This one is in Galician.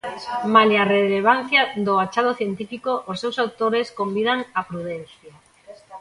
Malia á relevancia do achado científico, os seus autores convidan á prudencia.